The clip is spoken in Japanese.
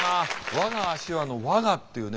「我が足は」の「我が」っていうね